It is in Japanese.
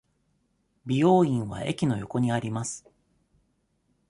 美容院は駅の横にあります。